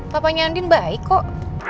papanya andin baik kok